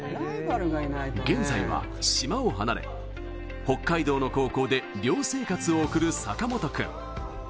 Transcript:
現在は島を離れ、北海道の高校で寮生活を送る坂本君。